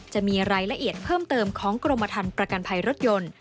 จะมีรายละเอียดเพิ่มเติมของกรมฐานประกันภัยรถยนต์